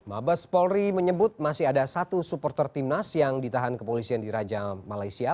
mabes polri menyebut masih ada satu supporter timnas yang ditahan kepolisian di raja malaysia